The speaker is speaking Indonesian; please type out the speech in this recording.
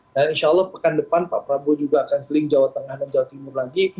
dan insya allah minggu depan pak prabu juga akan keling jawa tengah dan jawa timur lagi